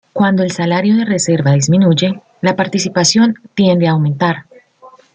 Cuando el salario de reserva disminuye, la participación tiende a aumentar.